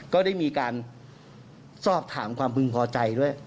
ก็ได้มีการสอบถามความพึงพอใจด้วย